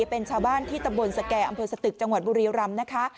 เป็นชาวบ้านที่ตำบลสแก่อำเภอสตึกจังหวัดบุรีรำนะคะ